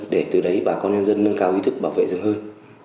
để từ đấy bà con nhân dân nâng cao ý thức bảo vệ rừng hơn